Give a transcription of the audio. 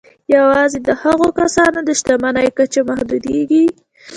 یوازې د هغو کسانو د شتمني کچه محدودېږي